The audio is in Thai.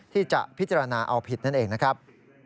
ที่จะพิจารณาเอาผิดนั่นเองนะครับ